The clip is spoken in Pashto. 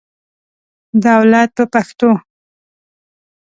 دولت په پښتو.